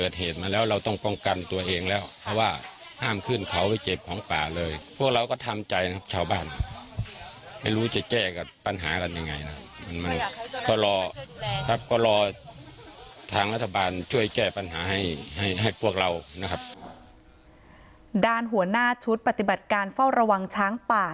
ด้านหัวหน้าชุดปฏิบัติการเฝ้าระวังช้างป่า